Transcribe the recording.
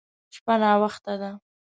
شپه ناوخته ده.